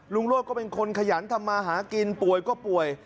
โรธก็เป็นคนขยันทำมาหากินป่วยก็ป่วย